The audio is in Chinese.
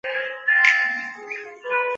圣米歇尔德巴涅尔人口变化图示